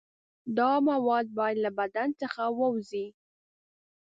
دا مواد باید له بدن څخه ووځي.